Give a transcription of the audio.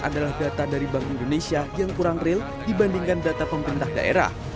adalah data dari bank indonesia yang kurang real dibandingkan data pemerintah daerah